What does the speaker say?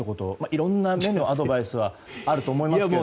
いろいろなアドバイスがあると思いますが。